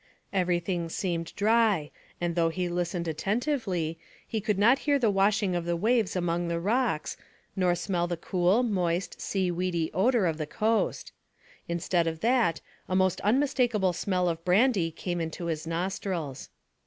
Everything seemed dry, and though he listened attentively, he could not hear the washing of the waves among the rocks, nor smell the cool, moist, sea weedy odour of the coast. Instead of that a most unmistakable smell of brandy came into his nostrils.